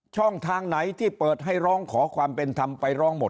ช่องทางไหนที่เปิดให้ร้องขอความเป็นธรรมไปร้องหมด